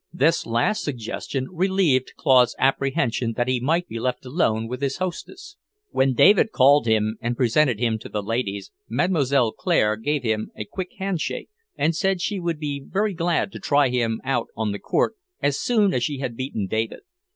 This last suggestion relieved Claude's apprehension that he might be left alone with his hostess. When David called him and presented him to the ladies, Mlle. Claire gave him a quick handshake, and said she would be very glad to try him out on the court as soon as she had beaten David.